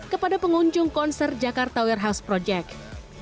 kepada pengunjung konser jakarta warehouse project